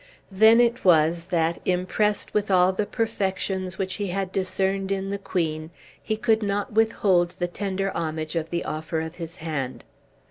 Then it was that, impressed with all the perfections which he had discerned in the queen, he could not withhold the tender homage of the offer of his hand.